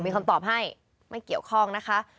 มีคำตอบให้ไม่เกี่ยวข้องนะคะ